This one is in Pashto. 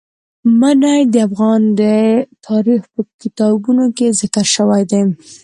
منی د افغان تاریخ په کتابونو کې ذکر شوی دي.